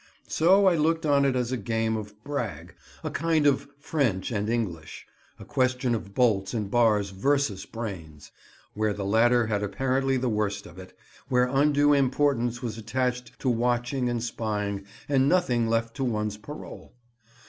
So I looked on it as a game of "brag," a kind of "French and English," a question of bolts and bars versus brains, where the latter had apparently the worst of it, where undue importance was attached to watching and spying, and nothing left to one's parole.